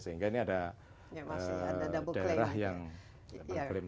sehingga ini ada daerah yang mengklaim